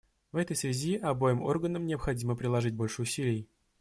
В этой связи обоим органам необходимо приложить больше усилий.